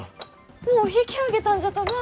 もう引き揚げたんじゃとばあ。